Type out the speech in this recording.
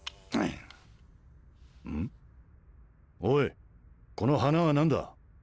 おいこの花は何だ？